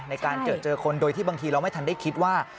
ในการเจอเจอคนโดยที่บางทีเราไม่ทันได้คิดว่า